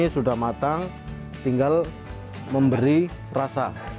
sudah matang tinggal memberi rasa